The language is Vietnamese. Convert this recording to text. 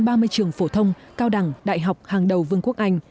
tham gia của hơn ba mươi trường phổ thông cao đẳng đại học hàng đầu vương quốc anh